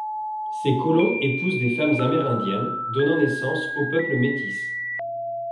Ces colons épousent des femmes amérindiennes, donnant naissance au peuple métis.